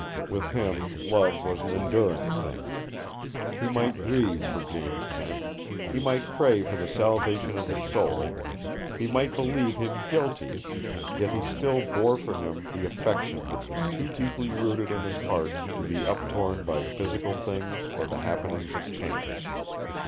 With him love was an enduring thing. He might grieve for James Kent, he might pray for the salvation of his soul, he might believe him guilty, yet he still bore for him the affection which was too deeply rooted in his heart to be uptorn by physical things or the happenings of chance.